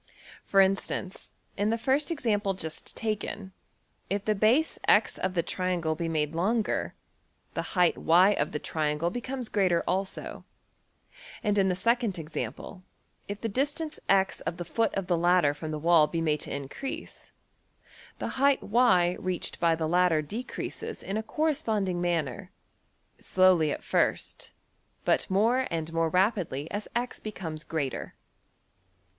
For instance, in the first example just taken, if the base~$x$ of the triangle be made longer, the height~$y$ of the triangle becomes greater also, and in the second example, if the distance~$x$ of the foot of the ladder from the wall be made to increase, the height~$y$ reached by the ladder decreases in a corresponding manner, slowly at first, but more and more rapidly as $x$~becomes greater.